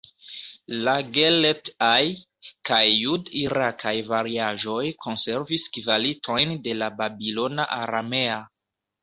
La "gelet-aj" kaj jud-irakaj variaĵoj konservis kvalitojn de la babilona aramea.